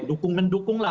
dukung mendukung lah